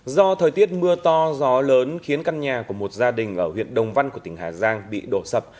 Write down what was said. do thời tiết mưa to gió lớn khiến căn nhà của một gia đình ở huyện đồng văn của tỉnh hà giang bị đổ sập